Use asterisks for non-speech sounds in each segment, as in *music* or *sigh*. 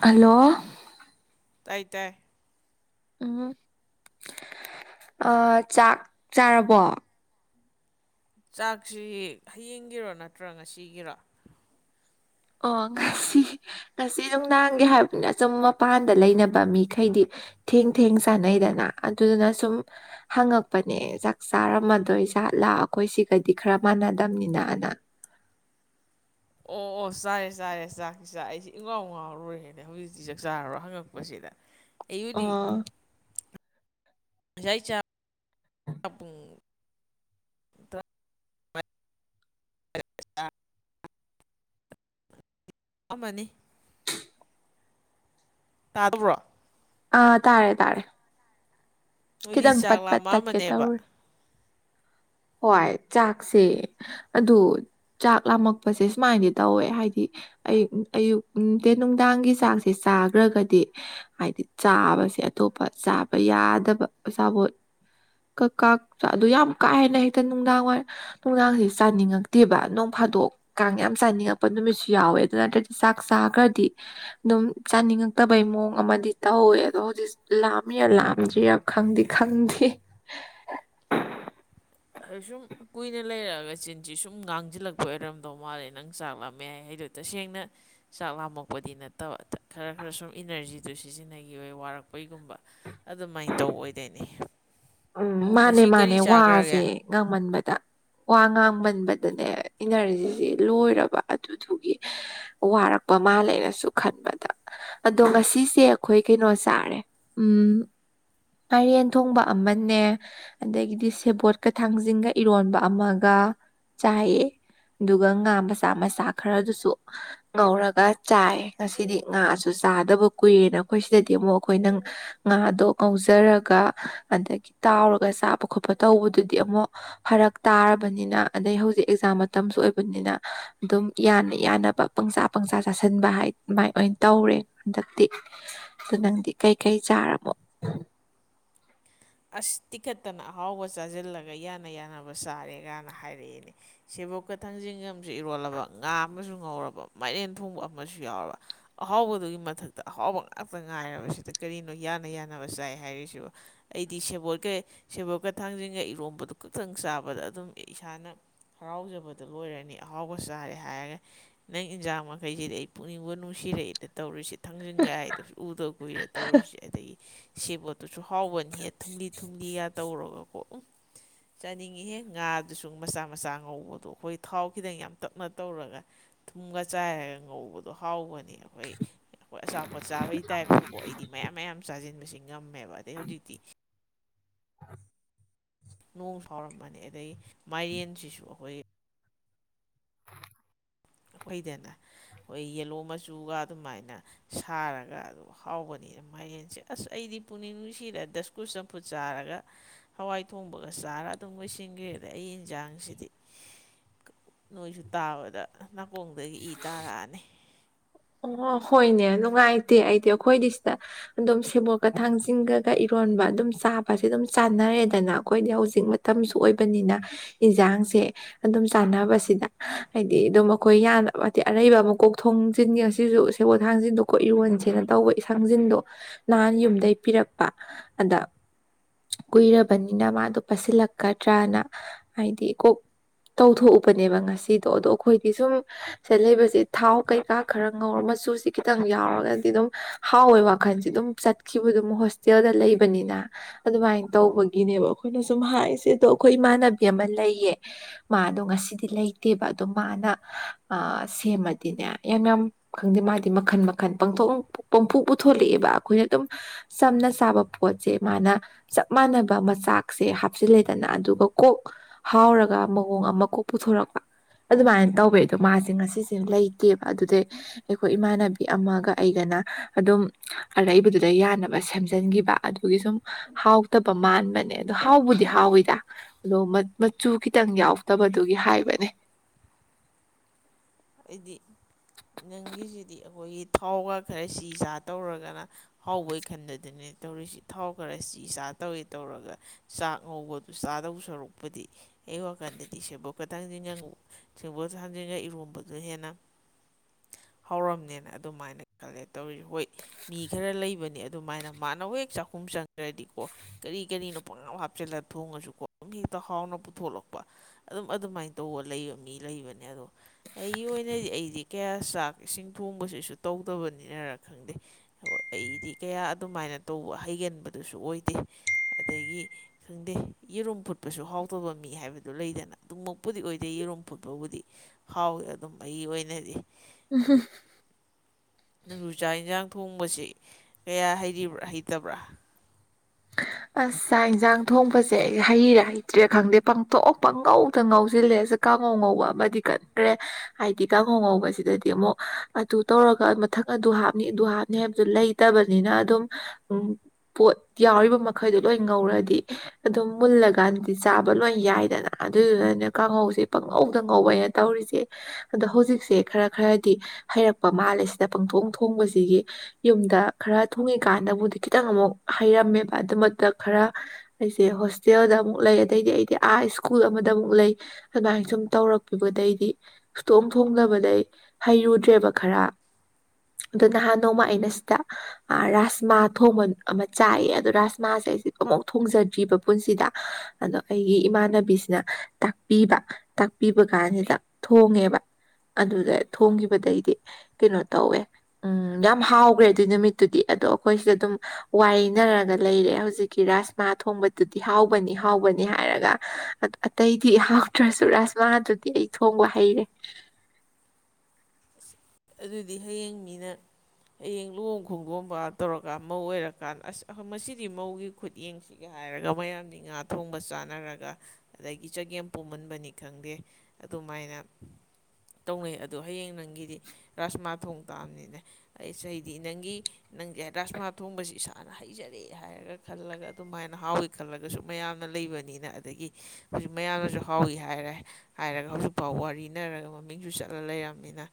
Hello ꯇꯥꯏ ꯇꯥꯏ ꯎꯝ ꯆꯥꯛ ꯆꯥꯔꯕꯣ ꯆꯥꯛꯁꯤ ꯍꯌꯦꯡꯒꯤꯔꯣ ꯅꯠꯇ꯭ꯔꯣ ꯉꯁꯤꯒꯤꯔꯣ ꯑꯣ ꯉꯁꯤ ꯉꯁꯤ ꯅꯨꯡꯅꯥꯡꯒꯦ ꯍꯥꯏꯕꯅꯤꯅ ꯁꯨꯝ ꯃꯄꯥꯟꯗ ꯂꯩꯅꯕ ꯃꯤꯈꯩꯗꯤ ꯊꯦꯡ ꯊꯦꯡ ꯆꯥꯟꯅꯩꯗꯅ ꯑꯗꯨꯗꯨꯅ ꯁꯨꯝ ꯍꯪꯉꯛꯄꯅꯦ ꯆꯥꯛ ꯆꯥꯔꯝꯃꯗꯣꯏꯖꯥꯠꯂꯥ ꯑꯩꯈꯣꯏ ꯁꯤꯒꯗꯤ ꯈꯔ ꯃꯥꯟꯅꯗꯕꯅꯤꯅ ꯑꯅ ꯑꯣ ꯑꯣ ꯆꯥꯔꯦ ꯆꯥꯔꯦ ꯆꯥꯛꯁꯤ ꯆꯥꯛ ꯑꯩꯁꯦ ꯏꯪꯒꯥꯎ ꯉꯥꯎꯔꯨꯔꯦꯅꯦ ꯍꯧꯖꯤꯛꯇꯤ ꯆꯥꯛ ꯆꯥꯔꯔꯣ ꯍꯪꯉꯛꯄꯁꯤꯗ *inaudible* ꯑꯩꯌꯨꯗꯤ ꯑꯣ ꯌꯥ ꯆꯥꯨꯡ ꯔ ꯑꯃꯅꯤ ꯇꯥꯗꯕ꯭ꯔꯣ ꯑꯥ ꯇꯥꯔꯦ ꯇꯥꯔꯦ ꯅꯣꯏꯗꯤ ꯈꯤꯇꯪ ꯆꯥꯛ ꯄꯠ ꯄꯠ ꯇꯠꯀꯦ ꯂꯥꯝꯃꯛꯑꯝꯃꯅꯦꯕ ꯇꯧꯔꯦ ꯍꯣꯏ ꯆꯥꯛꯁꯦ ꯑꯗꯨ ꯆꯥꯛ ꯂꯥꯝꯃꯛꯄꯁꯦ ꯁꯨꯃꯥꯏꯅꯗꯤ ꯇꯧꯋꯦ ꯍꯥꯏꯗꯤ ꯑꯌꯨꯛ ꯑꯌꯨꯛ ꯅꯨꯡ ꯅꯨꯡꯗꯥꯡꯒꯤ ꯆꯥꯛꯁꯦ ꯆꯥꯈ꯭ꯔꯒꯗꯤ ꯍꯥꯏꯗꯤ ꯆꯥꯕꯁꯦ ꯑꯇꯣꯞꯄ ꯆꯥꯕ ꯌꯥꯗꯕ ꯑꯆꯥꯄꯣꯠ ꯀꯛ ꯀꯥ ꯆ ꯑꯗꯨ ꯌꯥꯝ ꯀꯥ ꯍꯦꯟꯅ ꯍꯦꯛꯇ ꯅꯨꯡꯗꯥꯡꯋꯥꯏ ꯣꯡꯒꯥꯡꯁꯤ ꯆꯥꯅꯤꯡꯉꯛꯇꯦꯕ ꯅꯣꯡ ꯐꯥꯗꯣꯛ ꯀꯥꯡ ꯌꯥꯝ ꯆꯥꯅꯤꯡꯉꯛꯄ ꯅꯨꯃꯤꯠꯁꯨ ꯌꯥꯎꯋꯦ ꯑꯗꯨ ꯅꯠꯇ꯭ꯔꯗꯤ ꯆꯥꯛ ꯆꯥꯈ꯭ꯔꯗꯤ ꯑꯗꯨꯝ ꯆꯥꯅꯤꯡꯉꯛꯇꯕꯩ ꯃꯑꯣꯡ ꯑꯃꯗꯤ ꯇꯧꯋꯦ ꯑꯗꯣ ꯍꯧꯖꯤꯛ ꯂꯥꯝꯃꯤꯔ ꯂꯥꯝꯗ꯭ꯔꯤꯔ ꯈꯪꯗꯦ ꯈꯪꯗꯦ ꯁꯨꯝ ꯀꯨꯏꯅ ꯂꯩꯔꯛꯑꯒ ꯆꯤꯟꯁꯤ ꯁꯨꯝ ꯉꯥꯡꯁꯤꯜꯂꯛꯄ ꯑꯣꯏꯔꯝꯗꯧ ꯃꯥꯜꯂꯦ ꯅꯪ ꯆꯥꯛꯂꯝꯃꯦ ꯍꯥꯏ ꯍꯥꯏꯗꯨꯗꯤ ꯇꯁꯦꯡꯅ ꯆꯥꯛ ꯂꯥꯝꯃꯛꯄꯗꯤ ꯅꯠꯇꯕ ꯈꯔ ꯈꯔ ꯁꯨꯝ ꯏꯅꯔꯖꯤꯗꯨ ꯁꯤꯖꯤꯟꯅꯈꯤ ꯑꯣꯏ ꯋꯥꯔꯛꯄꯩꯒꯨꯝꯕ ꯑꯗꯨꯃꯥꯏꯅ ꯇꯧꯕ ꯑꯣꯏꯗꯣꯏꯅꯤ꯫ ꯎꯝ ꯃꯥꯅꯦ ꯉꯁꯤ ꯀꯔꯤ ꯃꯥꯅꯦ ꯋꯥꯁꯦ ꯆꯥꯈ꯭ꯔꯒꯦ ꯉꯝꯃꯟꯕꯗ꯫ ꯋꯥ ꯉꯥꯡꯃꯟꯕꯗꯅꯦ ꯏꯅꯔꯖꯤꯁꯦ ꯂꯣꯏꯔꯕ ꯑꯗꯨꯗꯨꯒꯤ꯫ ꯋꯥꯔꯛꯄ ꯃꯥꯜꯂꯦꯅꯁꯨ ꯈꯟꯕꯗ ꯑꯗꯣ ꯉꯁꯤꯁꯦ ꯑꯩꯈꯣꯏ ꯀꯩꯅꯣ ꯆꯥꯔꯦ ꯎꯝ ꯑꯥꯏꯔꯦꯟ ꯊꯣꯡꯕ ꯑꯃꯅꯦ ꯑꯗꯒꯤꯗꯤ ꯁꯦꯕꯣꯠꯀ ꯊꯥꯡꯖꯤꯡꯒ ꯏꯔꯣꯟꯕ ꯑꯃꯒ ꯆꯥꯏꯌꯦ ꯑꯗꯨꯒ ꯉꯥ ꯃꯆꯥ ꯃꯆꯥ ꯈꯔꯗꯨꯁꯨ ꯉꯧꯔꯒ ꯆꯥꯏ ꯉꯁꯤꯗꯤ ꯉꯥꯁꯨ ꯆꯥꯗꯕ ꯀꯨꯏꯦꯅ ꯑꯩꯈꯣꯏ ꯁꯤꯗꯗꯤ ꯑꯃꯨꯛ ꯑꯩꯈꯣꯏ ꯅꯪ ꯉꯥꯗꯣ ꯉꯧꯖꯔꯒ ꯑꯗꯒꯤ ꯇꯥꯎꯔꯒ ꯆꯥꯕ ꯈꯣꯠꯄ ꯇꯧꯕꯗꯨꯗꯤ ꯑꯃꯨꯛ ꯐꯔꯛ ꯇꯥꯔꯕꯅꯤꯅ ꯑꯗꯩ ꯍꯧꯖꯤꯛ ꯑꯦꯛꯖꯥꯝ ꯃꯇꯝꯁꯨ ꯑꯣꯏꯕꯅꯤꯅ ꯑꯗꯨꯝ ꯌꯥꯅ ꯌꯥꯅꯕ ꯄꯪꯁꯥ ꯄꯪꯁꯥ ꯆꯥꯁꯤꯟꯕ ꯍꯥꯏ ꯑꯗꯨꯃꯥꯏ ꯑꯣꯏꯅ ꯇꯧꯔꯦ ꯍꯟꯗꯛꯇꯤ ꯑ ꯅꯪꯗꯤ ꯀꯩꯀꯩ ꯆꯥꯔꯕꯣ ꯑꯁ ꯇꯤꯈꯠꯇꯅ ꯑꯍꯥꯎꯕ ꯆꯥꯁꯤꯜꯂꯒ ꯌꯥꯅ ꯌꯥꯅꯕ ꯆꯥꯔꯦꯒꯅ ꯍꯥꯏꯔꯛꯏꯅꯦ ꯁꯦꯕꯣꯛꯀ ꯊꯥꯡꯖꯤꯡ ꯑꯃꯁꯨ ꯏꯔꯣꯜꯂꯕ ꯉꯥ ꯑꯃꯁꯨ ꯉꯧꯔꯕ ꯃꯥꯏꯔꯦꯟ ꯊꯣꯡꯕ ꯑꯃꯁꯨ ꯌꯥꯎꯔꯕ ꯑꯍꯥꯎꯕꯗꯨꯒꯤ ꯃꯊꯛꯇ ꯑꯍꯥꯎꯕ ꯉꯥꯛꯇ ꯉꯥꯏꯔꯕꯁꯤꯗ ꯀꯔꯤꯅꯣ ꯌꯥꯅ ꯌꯥꯅꯕ ꯆꯥꯏ ꯍꯥꯏꯔꯤꯁꯤꯕꯨ ꯑꯩꯗꯤ ꯁꯦꯕꯣꯠꯀꯩ ꯁꯦꯕꯣꯠꯀꯩ ꯊꯥꯡꯖꯒꯩ ꯏꯔꯣꯝꯕꯗꯨ ꯈꯛꯇꯪ ꯆꯥꯕꯗ ꯑꯗꯨꯝ ꯏꯁꯥꯅ ꯍꯔꯥꯎꯖꯕꯗꯣ ꯂꯣꯏꯔꯅꯤ ꯑꯍꯥꯎꯕ ꯆꯥꯔꯦ ꯍꯥꯏꯔꯒ ꯅꯪ ꯏꯟꯖꯥꯡ ꯃꯈꯩꯁꯤꯗꯤ ꯑꯩ ꯄꯨꯛꯅꯤꯡꯕꯨ ꯅꯨꯡꯁꯤꯔꯛꯦꯅ ꯇꯧꯔꯤꯁꯤ ꯊꯥꯡꯖꯤꯡꯒꯥꯏꯗꯁꯨ ꯎꯗ ꯀꯨꯏꯔ ꯇꯧꯔꯤꯁꯦ ꯑꯗꯒꯤ ꯁꯦꯕꯣꯠꯇꯨꯁꯨ ꯍꯥꯎꯕꯅꯤ꯫ ꯍꯦꯛ ꯊꯨꯝꯂꯤ ꯊꯨꯝꯂꯤꯒ ꯇꯧꯔꯒꯀꯣ ꯎꯝ ꯆꯥꯅꯤꯡꯉꯤꯍꯦ ꯉꯥꯗꯨꯁꯨ ꯃꯆꯥ ꯃꯆꯥ ꯉꯧꯕꯗꯣ ꯑꯩꯈꯣꯏ ꯊꯥꯎ ꯈꯤꯇꯪ ꯌꯥꯝ ꯇꯞꯅ ꯇꯧꯔꯒ ꯊꯨꯝꯒ ꯆꯥꯏꯔꯒ ꯉꯧꯕꯗꯣ ꯍꯥꯎꯕꯅꯤ ꯑꯩꯈꯣꯏ ꯑꯩꯈꯣꯏ ꯑꯆꯥꯄꯣꯠ ꯆꯥꯕꯒꯤ ꯇꯥꯏꯞꯇꯀꯣ ꯑꯩꯗꯤ ꯃꯌꯥꯝ ꯃꯌꯥꯝ ꯆꯥꯁꯤꯟꯕꯁꯦ ꯉꯝꯃꯦꯕ ꯑꯗꯩ ꯍꯧꯖꯤꯛꯇꯤ ꯅꯣꯡ ꯁꯥꯎꯔꯝꯕꯅꯤ ꯑꯗꯩ ꯃꯥꯏꯔꯦꯟꯁꯤꯁꯨ ꯑꯩꯈꯣꯏ ꯑꯩꯈꯣꯏꯗꯅ ꯑꯩꯈꯣꯏ ꯌꯦꯜꯂꯣ ꯃꯆꯨꯒ ꯑꯗꯨꯃꯥꯏꯅ ꯁꯥꯔꯒ ꯑꯗꯨ ꯍꯥꯎꯕꯅꯤꯅ ꯃꯥꯏꯔꯦꯟꯁꯦ ꯑꯁ ꯑꯩꯗꯤ ꯄꯨꯛꯅꯤꯡ ꯅꯨꯡꯁꯤꯗ ꯗꯁꯀꯨꯁ ꯆꯝꯐꯨꯠ ꯆꯥꯔꯒ ꯍꯋꯥꯏ ꯊꯣꯡꯕꯒ ꯆꯥꯔ ꯑꯗꯨꯝ ꯂꯣꯏꯁꯤꯟꯈ꯭ꯔꯦꯗ ꯑꯩ ꯌꯦꯟꯁꯥꯡꯁꯤꯗꯤ ꯅꯣꯏꯁꯨ ꯇꯥꯕꯗ ꯅꯥꯀꯣꯡꯗꯒꯤ ꯏ ꯇꯥꯔꯛꯑꯅꯤ ꯑꯣ ꯍꯣꯏꯅꯦ ꯅꯨꯡꯉꯥꯏꯇꯦ ꯑꯩꯗꯤ ꯑꯩꯈꯣꯏꯗꯤ ꯁꯤꯗ ꯑꯗꯨꯝ ꯁꯦꯕꯣꯠꯀ ꯊꯥꯡꯖꯤꯡꯒꯒ ꯏꯔꯣꯟꯕ ꯑꯗꯨꯝ ꯆꯥꯕꯁꯦ ꯑꯗꯨꯝ ꯆꯥꯟꯅꯔꯦꯗꯅ ꯑꯩꯈꯣꯏꯗꯤ ꯍꯧꯖꯤꯛ ꯃꯇꯝꯁꯨ ꯑꯣꯏꯕꯅꯤꯅ ꯏꯟꯁꯥꯡꯁꯦ ꯑꯗꯨꯝ ꯆꯥꯟꯅꯕꯁꯤꯗ ꯍꯥꯏꯗꯤ ꯑꯗꯨꯝ ꯑꯩꯈꯣꯏ ꯌꯥ ꯍꯥꯏ ꯑꯔꯩꯕ ꯑꯃꯀꯣꯛ ꯊꯣꯡ ꯆꯤꯟꯒꯤ ꯉ ꯑꯁꯤꯁꯨ ꯁꯦꯒꯣꯠ ꯊꯥꯡꯖꯤꯟꯗꯣꯀꯣ ꯏꯔꯣꯟꯁꯦꯅ ꯇꯧꯕꯥꯡꯖꯤꯟꯗꯣ ꯅꯍꯥꯟ ꯌꯨꯝꯗꯩꯩ ꯄꯤꯔꯛꯄ ꯑꯗ ꯀꯨꯏꯔꯕꯅꯤꯅ ꯃꯥꯗꯣ ꯄꯥꯁꯤꯜꯂꯛꯀꯗ꯭ꯔꯅ ꯍꯥꯏꯗꯤ ꯀꯣꯛ ꯇꯧꯊꯣꯛꯎꯕꯅꯦꯕ ꯉꯁꯤꯗꯣ ꯑꯗꯣ ꯑꯩꯈꯣꯏꯗꯤ ꯁꯨꯝ ꯁꯂꯩꯕꯁꯦ ꯊꯥꯎ ꯀꯩꯀꯥ ꯈꯔ ꯉꯧꯔ ꯃꯆꯨꯁꯤ ꯈꯤꯇꯪ ꯌꯥꯎꯔꯒꯗꯤ ꯑꯗꯨꯝ ꯍꯥꯎꯋꯦ ꯋꯥꯈꯜꯁꯦ ꯑꯗꯨꯝ ꯆꯠꯈꯤꯕꯗꯨꯝ ꯍꯣꯁꯇꯦꯜꯗ ꯂꯩꯕꯅꯤꯅ ꯑꯗꯨꯃꯥꯏꯅ ꯇꯧꯕꯒꯤꯅꯦꯕ ꯑꯩꯈꯣꯏꯅ ꯁꯨꯝ ꯍꯥꯏꯁꯦ ꯑꯗꯣ ꯑꯩꯈꯣꯏ ꯏꯃꯥꯟꯅꯕꯤ ꯑꯃ ꯂꯩꯌꯦ ꯃꯥꯗꯣ ꯉꯁꯤꯗꯤ ꯂꯩꯇꯦꯕ ꯑꯗꯣ ꯃꯥꯅ ꯑ ꯁꯦꯝꯃꯗꯤꯅꯦ ꯌꯥꯝ ꯌꯥꯝ ꯈꯪꯗꯦ ꯃꯥꯗꯤ ꯃꯈꯟ ꯃꯈꯟꯊꯣꯛ ꯄꯥꯡꯐꯣꯛ ꯄꯨꯊꯣꯂꯛꯑꯦꯕ ꯑꯩꯈꯣꯏꯅ ꯑꯗꯨꯝ ꯆꯝꯅ ꯆꯥꯕ ꯄꯣꯠꯁꯦ ꯃꯥꯅ ꯆꯞ ꯃꯥꯟꯅꯕ ꯃꯆꯥꯛꯁꯦ ꯍꯥꯞꯆꯤꯜꯂꯦꯗꯅ ꯑꯗꯨꯒ ꯀꯣꯛ ꯍꯥꯎꯔꯒ ꯃꯑꯣꯡ ꯑꯃ ꯀꯣꯛ ꯄꯨꯊꯣꯔꯛꯄ ꯑꯗꯨꯃꯥꯏꯅ ꯇꯧꯋꯦ ꯑꯗꯣ ꯃꯥꯁꯦ ꯉꯁꯤꯁꯦ ꯂꯩ ꯇꯦꯕ ꯑꯗꯨꯗꯩ ꯑꯩꯈꯣꯏ ꯏꯃꯥꯟꯅꯕꯤ ꯑꯃꯒ ꯑꯩꯒꯅ ꯑꯗꯨꯝ ꯑꯗꯩꯕꯗꯨꯗ ꯌꯥꯅꯕ ꯁꯦꯝꯖꯤꯟꯈꯤꯕ ꯑꯗꯨꯒꯤ ꯁꯨꯝ ꯍꯥꯎꯇꯕ ꯃꯥꯟꯕꯅꯦ ꯑꯗ ꯍꯥꯎꯕꯨꯗꯤ ꯍꯥꯎꯋꯤꯗ ꯑꯗꯣ ꯃꯆꯨ ꯈꯤꯇꯪ ꯌꯥꯎꯗꯕꯗꯨꯒꯤ ꯍꯥꯏꯕꯅꯦ ꯍꯥꯏꯗꯤ ꯅꯪꯒꯤꯁꯤꯗꯤ ꯑꯩꯈꯣꯏꯒꯤ ꯊꯥꯎꯒ ꯈꯔ ꯁꯤ ꯆꯥ ꯇꯧꯔꯒꯅ ꯍꯥꯎꯕꯩ ꯈꯟꯗꯗꯅꯦ ꯇꯧꯔꯤꯁꯤ ꯊꯥꯎ ꯈꯔ ꯆ ꯆꯥ ꯇꯧꯏꯤ ꯇꯧꯔꯒ ꯆꯥꯛ ꯉꯧꯕ ꯆꯥꯗꯧ ꯁꯔꯨꯛꯄꯗꯤ ꯑꯩ ꯋꯥꯈꯟꯗꯗꯤ ꯁꯦꯕꫭꯠ ꯈꯤꯇꯪꯁꯤꯅ ꯉꯧ *unintelligible* ꯏꯔꯣꯝꯕꯗ ꯍꯦꯟꯅ ꯍꯥꯎꯔꯝꯅꯦꯅ ꯑꯗꯨꯃꯥꯏꯅ ꯈꯜꯂꯦ ꯇꯧꯔꯤ ꯍꯣꯏ ꯃꯤ ꯈꯔ ꯂꯩꯕꯅꯦ ꯑꯗꯨꯃꯥꯏꯅ ꯃꯥꯅ ꯍꯦꯛ ꯆꯥꯛꯈꯨꯝ ꯆꯪꯈ꯭ꯔꯗꯤꯀꯣ ꯀꯔꯤ ꯀꯔꯤꯅꯣ ꯄꯣꯉꯥꯡ ꯍꯥꯞꯆꯤꯜꯂ ꯊꯣꯡꯉꯁꯨꯀꯣ ꯍꯦꯛꯇ ꯍꯥꯎꯅ ꯄꯨꯊꯣꯛꯂꯛꯄ ꯑꯗꯨꯝ ꯑꯗꯨꯃꯥꯏꯅ ꯇꯧꯕ ꯂꯩꯕ ꯃꯤ ꯂꯩꯕꯅꯦ ꯑꯗꯣ ꯑꯩꯒꯤ ꯑꯣꯏꯅꯗꯤ ꯑꯩꯗꯤ ꯀꯌꯥ ꯆꯥꯛ ꯏꯁꯤꯡ ꯊꯣꯡꯕꯁꯤꯁꯨ ꯇꯧꯗꯕꯅꯤꯅ ꯈꯪꯗꯦ ꯑꯩꯗꯤ ꯀꯌꯥ ꯑꯗꯨꯃꯥꯏꯅ ꯇꯧꯕ ꯍꯩꯒꯟꯕꯗꯨꯁꯨ ꯑꯣꯏꯗꯦ ꯑꯗꯒꯤ ꯈꯪꯗꯦ ꯌꯦꯔꯨꯝ ꯐꯨꯠꯄꯁꯨ ꯍꯥꯎꯇꯕ ꯃꯤ ꯍꯥꯏꯕꯗꯨ ꯂꯩꯗꯅ ꯑꯗꯨꯝꯃꯛꯄꯨꯗꯤ ꯑꯣꯏꯗꯦ ꯌꯦꯔꯨꯝ ꯐꯨꯠꯄꯕꯨꯗꯤ ꯍꯥꯎꯋꯤ ꯑꯗꯨꯝ ꯑꯩꯒꯤ ꯑꯣꯏꯅꯗꯤ ꯎꯝ ꯑꯗꯨ ꯅꯪꯁꯨꯨ ꯆꯥꯛ ꯏꯟꯁꯥꯡ ꯊꯣꯡꯕꯁꯤ ꯀꯌꯥ ꯍꯩꯔꯤꯕ꯭ꯔꯥ ꯍꯩꯇꯕ꯭ꯔꯥ ꯑꯁ ꯆꯥꯛ ꯌꯦꯟꯁꯥꯡ ꯊꯣꯡꯕꯁꯦ ꯑꯩ ꯍꯩꯔꯤꯔ ꯍꯩꯇ꯭ꯔꯤꯔ ꯈꯪꯗꯦ ꯄꯪꯊꫭꯡ ꯄꯪꯉꯧꯗ ꯉꯧꯁꯤꯜꯂꯦ ꯀꯥꯡꯉꯧ ꯉꯧꯕ ꯑꯃꯗꯤ ꯀꯟꯈ꯭ꯔꯦ ꯍꯥꯏꯗꯤ ꯀꯥꯡꯍꯧ ꯉꯧꯕꯁꯤꯗꯗꯤ ꯑꯃꯨꯛ ꯑꯗꯨ ꯇꯧꯔꯒ ꯃꯊꯪ ꯑꯗꯨ ꯍꯥꯞꯅꯤ ꯑꯗꯨ ꯍꯥꯞꯅꯤ ꯍꯥꯏꯕꯗꯨ ꯂꯩ ꯇꯕꯅꯤꯅ ꯑꯗꯨꯝ ꯎꯝ ꯄꯣꯠ ꯌꯥꯎꯔꯤꯕ ꯃꯈꯩꯗꯣ ꯂꯣꯏ ꯉꯧꯔꯗꯤ ꯑꯗꯨꯝ ꯃꯨꯜꯂꯀꯥꯟꯗꯗꯤ ꯆꯥꯕ ꯂꯣꯏ ꯌꯥꯏꯗꯅ ꯑꯗꯨꯏꯗꯨꯅꯅꯦ ꯀꯥꯡꯍꯧꯁꯦ ꯄꯪꯉꯧꯗ ꯉꯧꯕꯩ ꯇꯧꯔꯤꯁꯦ ꯑꯗꯣ ꯍꯧꯖꯤꯛꯁꯦ ꯈꯔ ꯈꯔꯗꯤ ꯍꯩꯔꯛꯄ ꯃꯥꯜꯂꯦ ꯁꯤꯗ ꯄꯪꯊꯣꯡ ꯊꯣꯡꯕꯁꯤꯒꯤ ꯌꯨꯝꯗ ꯈꯔ ꯊꯣꯡꯉꯤꯀꯥꯟꯗꯕꯨꯗꯤ ꯈꯤꯇꯪ ꯑꯃꯨꯛ ꯍꯩꯔꯝꯃꯦꯕ ꯑꯗꯨꯃꯛꯇ ꯈꯔ ꯑꯩꯁꯦ ꯍꯣꯁꯇꯦꯜꯗ ꯑꯃꯨꯛ ꯂꯩ ꯑꯗꯩꯗꯤ ꯑꯩꯗꯤ ꯑꯥ ꯁ꯭ꯀꯨꯜ ꯑꯃꯗ ꯑꯃꯨꯛ ꯂꯩ ꯑꯗꯨꯃꯥꯏꯅ ꯁꯨꯝ ꯇꯧꯔꯛꯄꯗꯩꯗꯤ ꯨꯁꯨꯡꯇꯣꯡ ꯊꯣꯡꯗꯕꯗꯩ ꯍꯩꯔꯨꯗ꯭ꯔꯦꯕ ꯈꯔ ꯑꯗꯨ ꯅꯍꯥꯟ ꯅꯣꯡꯃ ꯑꯩꯅ ꯁꯤꯗ ꯑ ꯔꯥꯁꯃꯥ ꯊꯣꯡꯕ ꯑꯃ ꯆꯥꯏꯑꯦ ꯑꯗꯣ ꯔꯥꯁꯃꯥꯁꯦ ꯑꯩꯁꯦ ꯑꯝꯐꯥꯎ ꯊꯣꯡꯖꯗ꯭ꯔꯤꯕ ꯄꯨꯟꯁꯤꯗ ꯑꯗꯣ ꯑꯩꯒꯤ ꯏꯃꯥꯟꯅꯕꯤꯁꯤꯅ ꯇꯥꯛꯄꯤꯕ ꯇꯥꯛꯄꯤꯕ ꯀꯥꯟꯁꯤꯗ ꯊꯣꯡꯉꯦꯕ ꯑꯗꯨꯗ ꯊꯣꯡꯈꯤꯕꯗꯩꯗꯤ ꯀꯩꯅꯣ ꯇꯧꯋꯦ ꯎꯝ ꯌꯥꯝ ꯍꯥꯎꯈ꯭ꯔꯦ ꯑꯗꯨꯏ ꯅꯨꯃꯤꯠꯇꯨꯗꯤ ꯑꯗꯣ ꯑꯩꯈꯣꯏ ꯁꯤꯗ ꯑꯗꯨꯝ ꯋꯥꯔꯤꯅꯔꯒ ꯂꯩꯔꯦ ꯍꯧꯖꯤꯛꯀꯤ ꯔꯥꯁꯃꯥ ꯊꯣꯡꯕꯗꯨꯗꯤ ꯍꯥꯎꯕꯅꯤ ꯍꯥꯎꯕꯅꯤ ꯍꯥꯏꯔꯒ ꯑꯇꯩꯗꯤ ꯍꯥꯎꯇ꯭ꯔꯁꯨ ꯔꯥꯖꯃꯥ ꯗꯨꯗꯤ ꯑꯩ ꯊꯣꯡꯕ ꯍꯩꯔꯦ ꯑꯗꯨꯗꯤ ꯍꯌꯦꯡ ꯃꯤꯅ ꯍꯌꯦꯡ ꯂꯨꯍꯣꯡ ꯈꯣꯡꯗꯣꯡꯕꯒ ꯇꯧꯔꯒ ꯃꯧ ꯑꯣꯏꯔꯀꯥꯟ ꯑꯁ ꯃꯁꯤꯗꯤ ꯃꯧꯒꯤ ꯈꯨꯠꯌꯦꯡꯁꯤꯒ ꯍꯥꯏꯔꯒ ꯃꯌꯥꯝꯗꯤ ꯉꯥ ꯊꯣꯡꯕ ꯆꯥꯅꯔꯒ ꯑꯗꯒꯤ ꯆꯒꯦꯝ ꯄꯣꯝꯃꯟꯕꯅꯤ ꯈꯪꯗꯦ ꯑꯗꯨꯃꯥꯏꯅ ꯇꯧꯅꯩ ꯑꯗꯣ ꯍꯌꯦꯡ ꯅꯪꯒꯤꯗꯤ ꯔꯥꯥꯁꯃꯥ ꯊꯣꯡ ꯇꯥꯕꯅꯤꯅꯦ ꯑꯁ ꯑꯩꯗꯤ ꯅꯪꯒꯤ ꯅꯪꯁꯦ ꯔꯥꯁꯃꯥ ꯊꯣꯡꯕꯁꯤ ꯏꯁꯥꯅ ꯍꯩꯖꯔꯦ ꯍꯥꯏꯔꯒ ꯈꯜꯂꯒ ꯑꯗꯨꯃꯥꯏꯅ ꯍꯥꯎꯋꯤ ꯈꯜꯂꯒꯁꯨ ꯃꯌꯥꯝꯅ ꯂꯩꯕꯅꯤꯅ ꯑꯗꯒꯤ ꯍꯧꯖꯤꯛ ꯃꯌꯥꯝꯅꯁꯨ ꯍꯥꯎꯏ ꯍꯥꯏꯔꯦ ꯍꯥꯏꯔꯒ ꯍꯧꯖꯤꯛꯐꯥꯎ ꯋꯥꯔꯤꯅꯔꯒ ꯃꯃꯤꯡꯁꯨ ꯆꯠꯂ ꯂꯩꯔꯝꯃꯤꯅ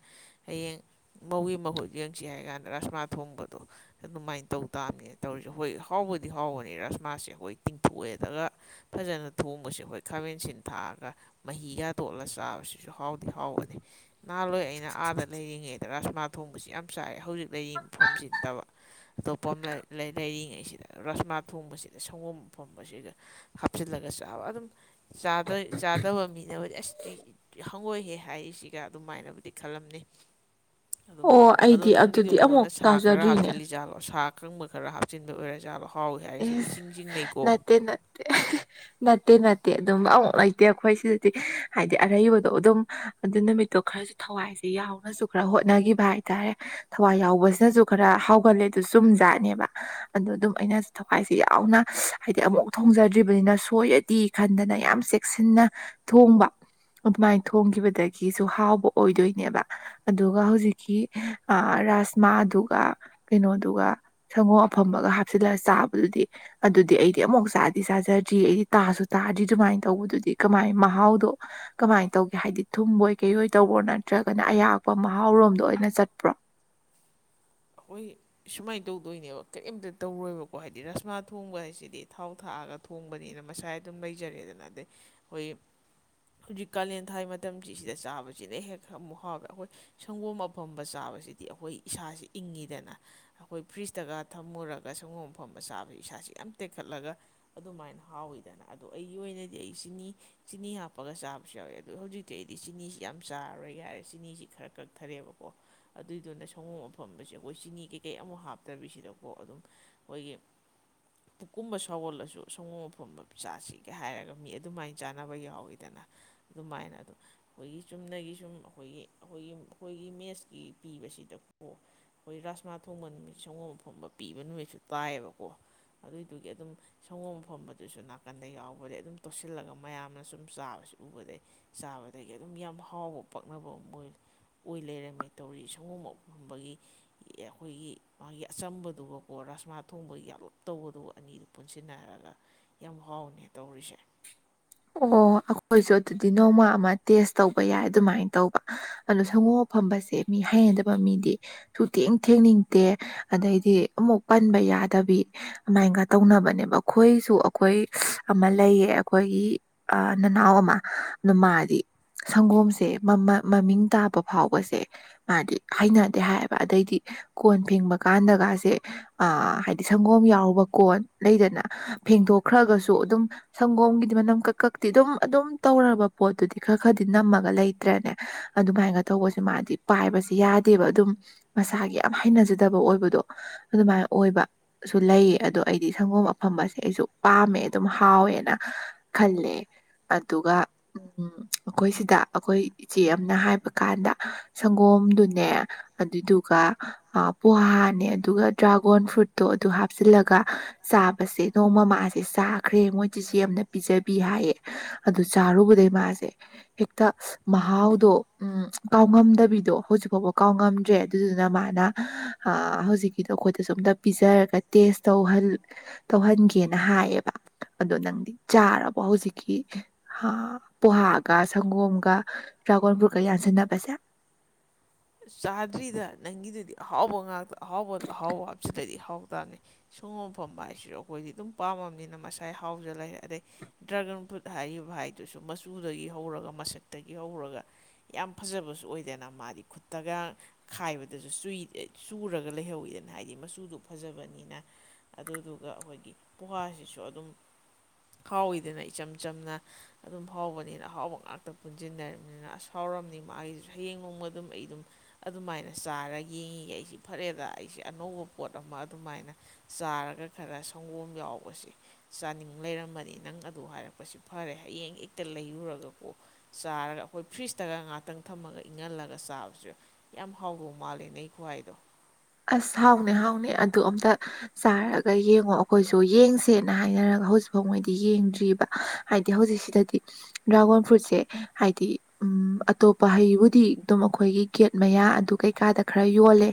ꯍꯌꯦꯡ ꯃꯧꯒꯤ ꯃꯍꯨꯠ ꯌꯦꯡꯁꯤ ꯍꯥꯏ ꯀꯥꯟꯗ ꯔꯥꯁꯃꯥ ꯊꯣꯡꯕꯗꯣ ꯑꯗꯨꯃꯥꯏꯅ ꯇꯧ ꯇꯥꯕꯅꯦ ꯇꯧꯔꯤꯁꯦ ꯍꯣꯏ ꯍꯥꯎꯕꯗꯤ ꯍꯥꯎꯕꯅꯦ ꯔꯁꯃꯥꯁꯦ ꯑꯩꯈꯣꯏ ꯇꯤꯡꯊꯣꯛꯑꯦ ꯑꯗꯨꯒ ꯐꯖꯅ ꯊꯣꯡꯕꯁꯦ ꯈꯣꯏ ꯈꯥꯃꯦꯟ ꯑꯁꯤꯟ ꯊꯥꯛꯑꯒ ꯃꯍꯤꯒ ꯇꯣꯠꯂꯒ ꯆꯥꯕꯁꯤꯁꯨ ꯍꯥꯎꯗꯤ ꯍꯥꯎꯕꯅꯤ ꯅꯍꯥꯟꯋꯥꯏ ꯑꯩꯅ ꯑꯥꯗ ꯂꯩꯔꯤꯉꯩꯗ ꯔꯥꯁꯃꯥ ꯊꯣꯡꯕꯁꯤ ꯌꯥꯝ ꯆꯥꯏ ꯍꯧꯖꯤꯛ ꯂꯩꯔꯤ ꯃꯐꯝꯁꯤ ꯅꯠꯇꯕ ꯑꯇꯣꯞꯄ ꯑꯃ ꯂꯩꯔꯤꯉꯩꯁꯤꯗ ꯔꯁꯃꯥ ꯊꯣꯡꯕꯁꯤꯗ ꯁꯪꯒꯣꯝ ꯑꯐꯝꯕꯁꯤꯒ ꯍꯥꯞꯆꯤꯜꯂꯒ ꯆꯥꯕ ꯑꯗꯨꯝ ꯆꯥꯗ ꯆꯥꯗꯕ ꯃꯤ *unintelligible* ꯑꯁ ꯍꯪꯉꯣꯏꯍꯦ ꯍꯥꯏꯔꯤꯁꯤꯒ ꯑꯗꯨꯃꯥꯏꯅꯕꯨꯗꯤ ꯈꯜꯂꯝꯅꯤ ꯑꯗꯨ ꯑꯣ ꯑꯗꯣ ꯑꯩꯗꯤ ꯑꯗꯨꯗꯤ ꯅꯪꯒꯤꯗꯨꯣ ꯑꯃꯨꯛ ꯂꯣꯟꯅ ꯁꯥ ꯈꯔ ꯇꯥꯖꯗ꯭ꯔꯤꯅꯦ ꯍꯥꯞꯆꯤꯜꯂꯤꯖꯥꯠꯂꯣ ꯁꯥ ꯑꯀꯪꯕ ꯈꯔ ꯍꯥꯞꯆꯤꯟꯕ ꯑꯣꯏꯔꯖꯥꯠꯂꯣ ꯍꯥꯎꯏ ꯍꯥꯏꯔꯤꯁꯤꯕꯨ ꯏꯁ ꯏꯆꯝꯡ ꯆꯤꯡꯅꯩꯀꯣ ꯅꯠꯇꯦ *unintelligible* ꯅꯠꯇꯦ ꯅꯠꯇꯦ ꯑꯗꯨꯝꯕ ꯑꯃꯨꯛ ꯂꯩꯇꯦ ꯑꯩꯈꯣꯏ ꯁꯤꯗꯗꯤ ꯍꯥꯏꯗꯤ ꯑꯔꯩꯕꯗꯣ ꯑꯗꯨꯝ ꯑꯗꯨ ꯅꯨꯃꯤꯠꯇꯣ ꯈꯔꯁꯨ ꯊꯋꯥꯏꯁꯦ ꯌꯥꯎꯅꯁꯨ ꯈꯔ ꯍꯣꯠꯅꯈꯤꯕ ꯍꯥꯏꯇꯥꯔꯦ ꯊꯋꯥꯏ ꯌꯥꯎꯕꯁꯤꯅꯁꯨ ꯈꯔ ꯍꯥꯎꯒꯜꯂꯦ ꯑꯗꯨ ꯆꯨꯝ ꯖꯥꯠꯅꯦꯕ ꯑꯗꯣ ꯑꯗꯨꯝ ꯑꯩꯅ ꯊꯋꯥꯥꯏꯁꯤ ꯌꯥꯎꯅ ꯍꯥꯏꯗꯤ ꯑꯃꯨꯛ ꯊꯣꯡꯖꯗ꯭ꯔꯤꯕꯅꯤꯅ ꯁꯣꯏꯔꯗꯤ ꯈꯟꯗꯅ ꯌꯥꯝ ꯆꯦꯛꯁꯤꯟꯅ ꯊꯣꯡꯕ ꯑꯗꯨꯃꯥꯏꯅ ꯊꯣꯡꯈꯤꯕꯗꯒꯤꯁꯨ ꯍꯥꯎꯕ ꯑꯣꯏꯗꯣꯏꯅꯦꯕ ꯑꯗꯨꯒ ꯍꯧꯖꯤꯛꯀꯤ ꯔꯥꯁꯃꯥꯗꯨꯒ ꯀꯩꯅꯣꯗꯨꯒ ꯁꯪꯒꯣꯝ ꯑꯐꯝꯕꯒ ꯍꯥꯞꯆꯤꯜꯂꯒ ꯆꯥꯕꯗꯨꯗꯤ ꯑꯗꯨꯗꯤ ꯑꯩꯗꯤ ꯑꯃꯨꯛ ꯆꯥꯗꯤ ꯆꯥꯖꯗ꯭ꯔꯤ ꯑꯩꯗꯤ ꯇꯥꯁꯨ ꯇꯥꯗ꯭ꯔꯤ ꯑꯗꯨꯨꯃꯥꯏꯅ ꯇꯧꯕꯗꯨꯗꯤ ꯀꯃꯥꯏꯅ ꯃꯍꯥꯎꯗꯣ ꯀꯃꯥꯏꯅ ꯇꯧꯒꯦ ꯍꯥꯏꯗꯤ ꯊꯨꯝꯕꯣꯏ ꯀꯩ ꯑꯣꯏ ꯇꯧꯕ꯭ꯔꯣ ꯅꯠꯇ꯭ꯔꯒꯅ ꯑꯌꯥꯛꯄ ꯃꯍꯥꯎꯔꯣꯝꯗ ꯑꯣꯏꯅ ꯆꯠꯄ꯭ꯔꯣ ꯑꯩꯈꯣꯏ ꯁꯨꯃꯥꯏꯅ ꯇꯧꯗꯣꯏꯅꯦꯕ ꯀꯔꯤꯝꯇ ꯇꯧꯔꯣꯏꯕꯀꯣ ꯍꯥꯏꯗꯤ ꯔꯁꯃꯥ ꯊꯣꯡꯕ ꯍꯥꯏꯁꯤꯗꯤ ꯊꯥꯎ ꯊꯥꯛꯑꯒ ꯊꯣꯡꯕꯅꯤꯅ ꯃꯁꯥꯏ ꯑꯗꯨꯝ ꯂꯩꯖꯔꯦꯗꯅ ꯑꯗꯩ ꯑꯩꯈꯣꯏ ꯍꯧꯖꯤꯛ ꯀꯥꯂꯦꯟ ꯊꯥ ꯃꯇꯝꯁꯤ ꯁꯤꯗ ꯆꯥꯕꯁꯤꯅ ꯍꯦꯛ ꯑꯃꯨꯛ ꯍꯥꯎꯋꯦ ꯑꯩꯈꯣꯏ ꯁꯪꯒꯣꯝ ꯑꯐꯝꯕ ꯆꯥꯕꯁꯤꯗꯤ ꯑꯩꯈꯣꯏ ꯏꯁꯥꯁꯤ ꯏꯪꯉꯤꯗꯅ ꯑꯩꯈꯣꯏ ꯐ꯭ꯔꯤꯖꯇꯒ ꯊꯝꯃꯨꯔꯒ ꯁꯪꯒꯣꯝ ꯑꯐꯝꯕ ꯆꯥꯕꯁꯤ ꯏꯁꯥꯁꯤ ꯌꯥꯝ ꯇꯦꯛꯈꯠꯂꯒ ꯑꯗꯨꯃꯥꯏꯅ ꯍꯥꯎꯋꯤꯗꯅ ꯑꯗꯣ ꯑꯩꯒꯤ ꯑꯣꯏꯅꯗꯤ ꯑꯩ ꯆꯤꯅꯤ ꯆꯤꯅꯤ ꯍꯥꯞꯄꯒ ꯆꯥꯕꯁꯨ ꯌꯥꯎꯋꯦ ꯑꯗꯨ ꯍꯧꯖꯤꯛꯇꯤ ꯑꯩꯗꯤ ꯆꯤꯅꯤꯁꯤ ꯌꯥꯝ ꯆꯥꯔꯔꯣꯏꯒ ꯍꯥꯏꯔꯦ ꯆꯤꯅꯤꯁꯤ ꯈꯔ ꯀꯛꯊꯔꯦꯕꯀꯣ꯫ ꯑꯗꯨꯏꯗꯨꯅ ꯁꯪꯒꫭꯝ ꯐꯝꯕꯁꯦ ꯑꯩꯈꯣꯏ ꯆꯤꯅꯤ ꯀꯩꯀꯩ ꯑꯃꯨꯛ ꯍꯥꯞꯇꯕꯤꯁꯤꯗꯀꯣ ꯑꯗꯨꯝ ꯑꯩꯈꯣꯏꯒꯤ *inaudible* ꯄꯨꯛꯀꯨꯝꯕ ꯁꯒꯣꯜꯂꯁꯨ ꯁꯪꯒꯣꯝ ꯑꯐꯝꯣꯟꯕ ꯆꯥꯁꯤꯒ ꯍꯥꯏꯔꯒ ꯃꯤ ꯑꯗꯨꯃꯥꯏꯅ ꯆꯥꯅꯕ ꯌꯥꯎꯋꯤꯗꯅ꯫ ꯑꯗꯨꯃꯥꯏꯅ ꯑꯗꯨꯝ ꯑꯩꯈꯣꯏꯒꯤ ꯆꯨꯝꯅꯒꯤ ꯁꯨꯝ ꯑꯩꯈꯣꯏꯒꯤ ꯑꯩꯈꯣꯏꯒꯤ ꯑꯩꯈꯣꯏꯒꯤ ꯃꯦꯠꯁꯀꯤ ꯄꯤꯕꯁꯤꯗ ꯑꯣ ꯑꯩꯈꯣꯏ ꯔꯥꯁꯃꯥ ꯊꯣꯡꯕ ꯅꯨꯃꯤꯠ ꯁꯪꯒꯣꯝ ꯐꯝꯕ ꯄꯤꯕ ꯅꯨꯃꯤꯠꯁꯨ ꯇꯥꯏꯌꯦꯕꯀꯣ꯫ ꯑꯗꯨꯏꯗꯨꯒꯤ ꯑꯗꯨꯝ ꯁꯪꯒꯣꯝ ꯑꯐꯝꯕꯗꯨꯁꯨ ꯅꯥꯀꯟꯗ ꯌꯥꯎꯕꯗꯒꯤ ꯑꯗꯨꯝ ꯇꯣꯁꯤꯜꯂꯒ ꯃꯌꯥꯝꯅ ꯁꯨꯝ ꯆꯥꯕꯁꯤ ꯎꯕꯗꯩ ꯆꯥꯕꯗꯒꯤ ꯑꯗꯨꯝ ꯌꯥꯝ ꯍꯥꯎꯕ ꯄꯛꯅꯕ ꯑꯃ ꯑꯣꯏ ꯂꯩꯔꯝꯃꯦ ꯇꯧꯔꯤ ꯁꯪꯒꯣꯝ ꯐꯝꯕꯒꯤ ꯌꯦ ꯑꯩꯈꯣꯏꯒꯤ ꯃꯥꯒꯤ ꯑꯆꯝꯕꯗꯨꯒꯀꯣ ꯔꯥꯁꯃꯥ ꯊꯣꯡꯕꯒꯤ ꯌꯥꯝꯂꯞ ꯇꯧꯕꯗꯨꯕ ꯑꯅꯤꯗꯨ ꯄꯨꯟꯁꯤꯟꯅꯔꯒ ꯌꯥꯝ ꯍꯥꯎꯅꯦ ꯇꯧꯔꯤꯁꯦ ꯑꯣ ꯑꯩꯈꯣꯏꯁꯨ ꯑꯗꯨꯗꯤ ꯅꯣꯡꯃ ꯑꯃ ꯇꯦꯁ ꯇꯧꯕ ꯌꯥꯏ ꯑꯗꯨꯃꯥꯏꯅ ꯇꯧꯕ ꯑꯗꯣ ꯁꯪꯒꯣ ꯑꯐꯝꯕꯁꯦ ꯃꯤ ꯍꯥꯏꯅꯗꯕ ꯃꯤꯗꯤ ꯁꯨ ꯊꯦꯡ ꯊꯦꯡꯅꯤꯡꯗꯦ ꯑꯗꯩꯗꯤ ꯑꯃꯨꯛ ꯄꯟꯕ ꯌꯥꯗꯕꯤ ꯑꯗꯨꯃꯥꯏꯒ ꯇꯧꯅꯕꯅꯦꯕ ꯑꯩꯈꯣꯏꯁꯨ ꯑꯩꯈꯣꯏ ꯑꯃ ꯂꯩꯌꯦ ꯑꯩꯈꯣꯏꯒꯤ ꯑꯥ ꯅꯅꯥꯎ ꯑꯃ ꯅꯨꯃꯥꯏꯗꯤ ꯁꯪꯒꯣꯝꯁꯦ ꯃꯃꯤꯡ ꯇꯥꯕ ꯐꯥꯎꯕꯁꯦ ꯃꯥꯗꯤ ꯍꯩꯅꯗꯦ ꯍꯥꯏꯌꯦꯕ ꯑꯗꯩꯗꯤ ꯀꯣꯟ ꯐꯦꯡꯕ ꯀꯥꯟꯗꯒꯁꯦ ꯑ ꯍꯥꯏꯗꯤ ꯁꯪꯒꯣꯝ ꯌꯥꯎꯔꯕ ꯀꯣꯟ ꯂꯩꯗꯅ ꯐꯦꯡꯗꯣꯛꯈ꯭ꯔꯒꯁꯨ ꯑꯗꯨꯝ ꯁꯪꯒꯣꯝꯒꯤꯗꯤ ꯃꯅꯝ ꯀꯛꯀꯛꯇꯤ ꯑꯗꯨꯝ ꯑꯗꯨꯝ ꯇꯧꯔꯕ ꯄꯣꯠꯇꯨꯗꯤ ꯈꯔ ꯈꯔꯗꯤ ꯅꯝꯃꯒ ꯂꯩꯇ꯭ꯔꯅꯦ꯫ ꯑꯗꯨꯃꯥꯏꯅ ꯇꯧꯕꯁꯦ ꯃꯥꯗꯤ ꯄꯥꯏꯕꯁ ꯌꯥꯗꯦꯕ ꯑꯗꯨꯝ ꯃꯁꯥꯒꯤ ꯌꯥꯝ ꯍꯩꯅꯖꯗꯕ ꯑꯣꯏꯕꯗꯣ ꯑꯗꯨꯃꯥꯏꯅ ꯑꯣꯏꯕꯁꯨ ꯂꯩꯌꯦ ꯑꯗꯣ ꯑꯩꯗꯤ ꯁꯪꯒꯣꯝ ꯑꯐꯝꯕꯁꯦ ꯑꯩꯁꯨ ꯄꯥꯝꯃꯦ ꯑꯗꯨꯝ ꯍꯥꯎꯋꯦ꯫ ꯈꯜꯂꯦ ꯑꯗꯨꯒ ꯎꯝ ꯑꯩꯈꯣꯏ ꯁꯤꯗ ꯑꯩꯈꯣꯏ ꯏꯆꯦ ꯑꯃꯅ ꯍꯥꯏꯕꯀꯥꯟꯗ ꯁꯪꯒꯣꯝꯗꯨꯅꯦ ꯑꯗꯨꯏꯗꯨꯒ ꯄꯣꯍꯥꯅꯦ ꯑꯗꯨꯒ ꯗ꯭ꯔꯥꯒꯣꯟ ꯐ꯭ꯔꯨꯠꯇꯣ ꯑꯗꯨ ꯍꯥꯞꯆꯤꯜꯂꯒ ꯆꯥꯕꯁꯦ ꯅꯣꯡꯃ ꯃꯥꯥꯁꯦ ꯆꯥꯈ꯭ꯔꯦ ꯃꯣꯏꯆꯤꯆꯦ ꯑꯥꯃꯅ ꯄꯤꯖꯕꯤ ꯍꯥꯏꯌꯦ ꯑꯗꯨ ꯆꯥꯔꯨꯕꯗꯩ ꯃꯥꯁꯦ ꯍꯦꯛꯇ ꯃꯍꯥꯎꯗꯣ ꯎꯝ ꯀꯥꯎꯉꯝꯗꯕꯤꯗꯣ ꯍꯧꯖꯤꯛ ꯐꯥꯎꯕ ꯀꯥꯎꯉꯝꯗ꯭ꯔꯦ ꯑꯗꯨꯗꯨꯅ ꯃꯥꯅ ꯑꯥ ꯍꯧꯖꯤꯛꯀꯤꯗꯣ ꯑꯩꯈꯣꯏꯗ ꯁꯨ ꯑꯝꯇꯥ ꯄꯤꯖꯔꯒ ꯇꯦꯁ ꯇꯧꯍꯜ ꯇꯧꯍꯟꯒꯦꯅ ꯍꯥꯏꯌꯦꯕ ꯑꯗꯣ ꯅꯪꯗꯤ ꯆꯥꯔꯕ ꯍꯧꯖꯤꯛꯀꯤ ꯍꯥ ꯄꯣꯍꯥꯒ ꯁꯪꯒꯣꯝꯒ ꯗ꯭ꯔꯥꯒꯣꯟ ꯐꯨꯠꯀ ꯌꯥꯟꯁꯤꯟꯅꯕꯁꯦ꯫ ꯆꯥꯗ꯭ꯔꯤꯗ ꯅꯪꯒꯤꯗꯨꯗꯤ ꯑꯍꯥꯎꯕ ꯉꯥꯛꯇ ꯑꯍꯥꯎꯕ ꯑꯍꯥꯎꯕ ꯍꯥꯞꯕꯆꯤꯂꯗꯤ ꯑꯍꯥꯎ ꯇꯥꯅꯤ꯫ ꯁꯪꯒꯣꯝ ꯑꯐꯝꯕ ꯍꯥꯏꯁꯨ ꯑꯩꯈꯣꯏꯗꯤ ꯑꯗꯨꯝ ꯄꯥꯝꯃꯕꯅꯤꯅ ꯃꯁꯥꯏ ꯍꯥꯎꯖꯥ ꯂꯩꯔꯦ ꯑꯗꯩ ꯗ꯭ꯔꯥꯒꯟ ꯐ꯭ꯔꯨꯠ ꯍꯥꯏꯔꯤꯕ ꯍꯥꯏꯗꯨꯁꯨ ꯃꯆꯨꯗꯒꯤ ꯍꯧꯔꯒ ꯃꯁꯛꯇꯒꯤ ꯍꯧꯔꯒ ꯌꯥꯝ ꯐꯖꯕꯁꯨ ꯑꯣꯏꯗꯅ ꯃꯥꯗꯤ ꯈꯨꯠꯇꯒ ꯈꯥꯏꯕꯗꯁꯨꯨꯏ ꯆꯨꯏ ꯆꯨꯔꯒ ꯂꯩꯍꯧꯋꯤꯗꯅ ꯍꯥꯏꯕꯗꯤ ꯃꯆꯨꯗꯣ ꯐꯖꯕꯅꯤꯅ꯫ ꯑꯗꯨꯗꯨꯒ ꯑꯩꯈꯣꯏꯒꯤ ꯄꯨꯍꯥꯁꯤꯁꯨ ꯑꯗꯨꯝ ꯍꯥꯎꯋꯤꯗꯅ ꯏꯆꯝ ꯆꯝꯅ ꯑꯗꯨꯝ ꯍꯥꯎꯕꯅꯤꯅ ꯑꯍꯥꯎꯕ ꯉꯥꯛꯇ ꯄꯨꯟꯁꯤꯟꯅꯅꯤꯅ ꯑꯁ ꯍꯥꯎꯔꯝꯅꯤ ꯃꯥꯒꯤꯁꯨ ꯍꯌꯦꯡ ꯅꯣꯡꯃ ꯑꯗꯨꯝ ꯑꯩ ꯑꯗꯨꯝ ꯑꯗꯨꯃꯥꯏꯅ ꯆꯥꯔꯒ ꯌꯦꯡꯉꯤꯒ ꯑꯩꯁꯤ ꯐꯔꯦꯗ ꯑꯩꯁꯦ ꯑꯅꯧꯕ ꯄꯣꯠ ꯑꯃ ꯑꯗꯨꯃꯥꯏꯅ ꯆꯥꯔꯒ ꯈꯔ ꯁꯪꯒꯣꯝ ꯌꯥꯎꯕꯁꯦ꯫ ꯆꯥꯅꯤꯡ ꯂꯩꯔꯝꯕꯅꯤ ꯅꯪ ꯑꯗꯨ ꯍꯥꯏꯔꯛꯄꯁꯤ ꯐꯔꯦ ꯍꯌꯦꯡ ꯏꯛꯇ ꯂꯩꯔꯨꯔꯒꯀꯣ꯫ ꯆꯥꯔꯒ ꯑꯩꯈꯣꯏ ꯐ꯭ꯔꯤꯖꯇꯒ ꯉꯍꯥꯛꯇꯪ ꯊꯝꯃꯒ ꯏꯪꯍꯜꯂꯒ ꯆꯥꯕꯁꯨ ꯌꯥꯏ꯫ ꯌꯥꯝ ꯍꯥꯎꯗꯧ ꯃꯥꯜꯂꯦ ꯅꯪ ꯈꯨꯍꯥꯏꯗꯣ꯫ ꯑꯁ ꯍꯥꯎꯅꯦ ꯍꯥꯎꯅꯦ ꯑꯗꯨ ꯑꯝꯇ ꯆꯥꯔꯒ ꯌꯦꯡꯉꯣ ꯑꯩꯈꯣꯏꯁꯨ ꯌꯦꯡꯁꯦꯅ ꯍꯥꯏꯅꯔꯒ ꯍꯧꯖꯤꯛꯐꯥꯎ ꯃꯣꯏꯗꯤ ꯌꯦꯡꯗ꯭ꯔꯤꯕ꯫ ꯍꯥꯏꯗꯤ ꯍꯧꯖꯤꯛꯁꯤꯗꯗꯤ ꯗ꯭ꯔꯥꯒꯣꯟ ꯐ꯭ꯔꯨꯠꯁꯦ ꯍꯥꯏꯗꯤ ꯎꯝ ꯑꯇꯣꯞꯄ ꯍꯩꯕꯨꯗꯤ ꯑꯗꯨꯝ ꯑꯩꯈꯣꯏꯒꯤ ꯒꯦꯠ ꯃꯌꯥ ꯑꯗꯨ ꯀꯩꯀꯥꯗ ꯈꯔ ꯌꯣꯜꯂꯦ꯫